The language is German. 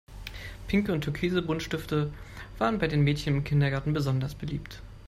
Pinke und türkise Buntstifte waren bei den Mädchen im Kindergarten besonders beliebt.